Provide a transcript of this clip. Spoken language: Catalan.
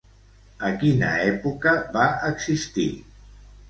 A quina època va existir?